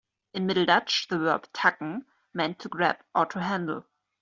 In Middle Dutch, the verb "tacken" meant to grab or to handle.